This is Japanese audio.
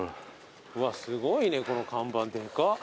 うわすごいねこの看板でかっ。